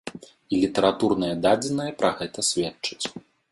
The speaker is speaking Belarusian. І літаратурныя дадзеныя пра гэта сведчаць.